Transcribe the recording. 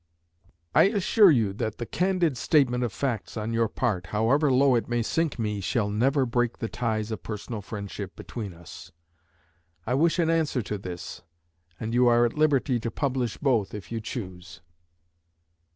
I assure you that the candid statement of facts on your part, however low it may sink me, shall never break the ties of personal friendship between us. I wish an answer to this, and you are at liberty to publish both if you choose.